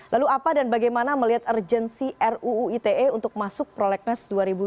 lalu apa dan bagaimana melihat urgensi ruu ite untuk masuk prolegnas dua ribu dua puluh